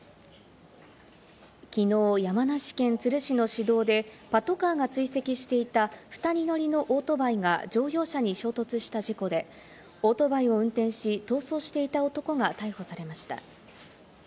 きのう山梨県都留市の市道でパトカーが追跡していた２人乗りのオートバイが乗用車に衝突した事故で、オートバイを運転し逃走していた男が逮捕されました。